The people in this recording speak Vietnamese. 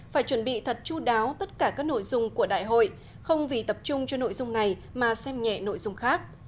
phải chuẩn bị thật chú đáo tất cả các nội dung của đại hội không vì tập trung cho nội dung này mà xem nhẹ nội dung khác